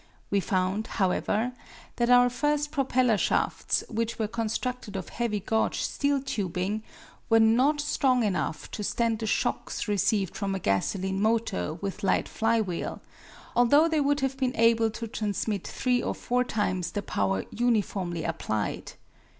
We found, however, that our first propeller shafts, which were constructed of heavy gauge steel tubing, were not strong enough to stand the shocks received from a gasoline motor with light fly wheel, although they would have been able to transmit three or four times the power uniformly applied.